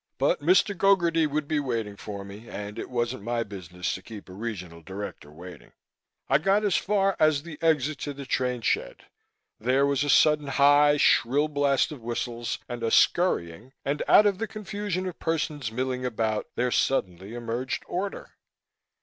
But Mr. Gogarty would be waiting for me, and it wasn't my business to keep a Regional Director waiting. I got as far as the exit to the train shed. There was a sudden high, shrill blast of whistles and a scurrying and, out of the confusion of persons milling about, there suddenly emerged order.